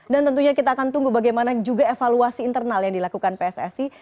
dan tentunya kita akan tunggu bagaimana juga evaluasi internal yang dilakukan pssi